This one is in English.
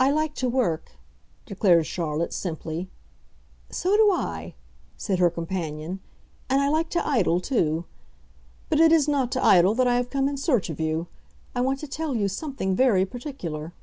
"I like to work," declared Charlotte, simply. "So do I!" said her companion. "And I like to idle too. But it is not to idle that I have come in search of you. I want to tell you something very particular."